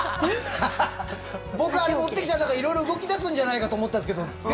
僕、あれ持ってきたらなんか色々動き出すんじゃないかと思ったんですけど